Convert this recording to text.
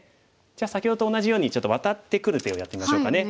じゃあ先ほどと同じようにちょっとワタってくる手をやってみましょうかね。